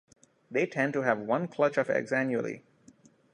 They tend to have one clutch of eggs annually.